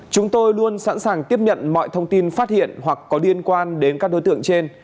chúng tôi luôn sẵn sàng tiếp nhận mọi thông tin phát hiện hoặc có liên quan đến các đối tượng trên